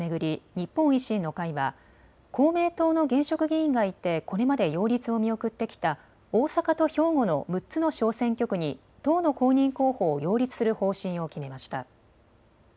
日本維新の会は公明党の現職議員がいてこれまで擁立を見送ってきた大阪と兵庫の６つの小選挙区に党の公認候補を擁立する方針を決めました。